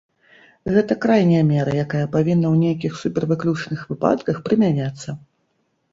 Гэта крайняя мера, якая павінна ў нейкіх супервыключных выпадках прымяняцца.